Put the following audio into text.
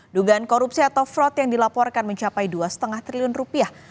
dugaan korupsi atau fraud yang dilaporkan mencapai dua lima triliun rupiah